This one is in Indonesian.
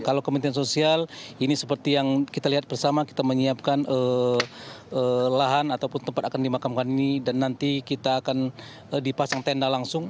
kalau kementerian sosial ini seperti yang kita lihat bersama kita menyiapkan lahan ataupun tempat akan dimakamkan ini dan nanti kita akan dipasang tenda langsung